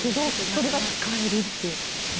それが使えるという。